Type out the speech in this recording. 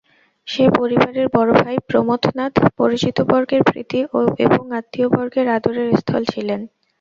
সে পরিবারের বড়োভাই প্রমথনাথ পরিচিতবর্গের প্রীতি এবং আত্মীয়বর্গের আদরের স্থল ছিলেন।